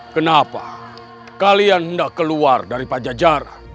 kenapa kalian tidak keluar dari pajajaran